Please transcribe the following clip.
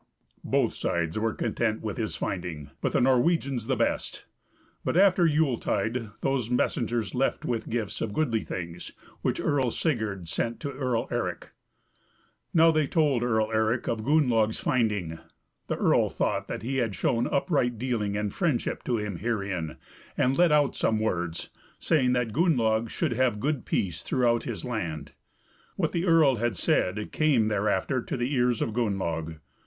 Both sides were content with his finding, but the Norwegians the best. But after Yule tide those messengers left with gifts of goodly things, which Earl Sigurd sent to Earl Eric. Now they told Earl Eric of Gunnlaug's finding: the earl thought that he had shown upright dealing and friendship to him herein, and let out some words, saying that Gunnlaug should have good peace throughout his land. What the earl had said came thereafter to the ears of Gunnlaug.